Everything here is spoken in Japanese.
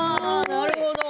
なるほど。